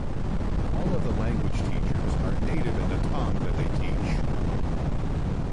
All of the language teachers are native in the tongue that they teach.